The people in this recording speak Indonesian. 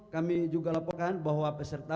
kami juga laporkan bahwa peserta